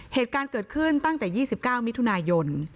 เหตุการณ์เกิดขึ้นตั้งแต่๒๙มิถุนายน